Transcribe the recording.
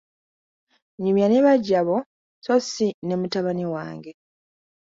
Nyumya ne baggya bo sso si ne mutabani wange.